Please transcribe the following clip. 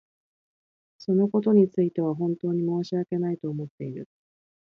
そのことについては本当に申し訳ないと思っている。